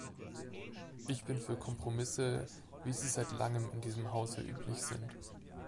Ich bin für Kompromisse, wie sie seit langem in diesem Hause üblich sind.